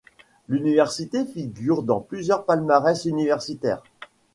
L’université figure dans plusieurs palmarès universitaires.